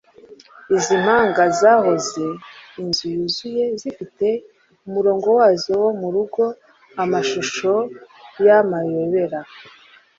Izi mpanga zahoze "Inzu Yuzuye" zifite umurongo wazo wo murugo amashusho y'amayobera